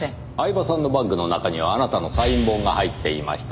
饗庭さんのバッグの中にはあなたのサイン本が入っていました。